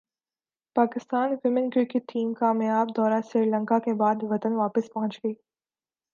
Pakistan women cricket team کامیاب دورہ سری لنکا کے بعد وطن واپس پہنچ گئی